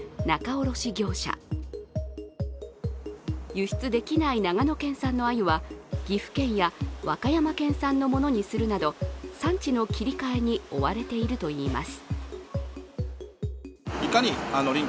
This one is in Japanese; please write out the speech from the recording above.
輸出できない長野県産のあゆは岐阜県や和歌山県産のものにするなど産地の切り替えに追われているといいます。